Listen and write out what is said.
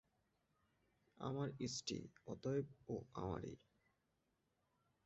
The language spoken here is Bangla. আমার স্ত্রী, অতএব ও আমারই।